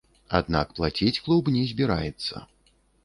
Аднак плаціць клуб не збіраецца.